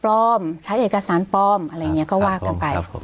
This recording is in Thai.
ปลอมภารกิจใช้เอกสารปลอมอะไรเงี้ยก็ว่ากันไป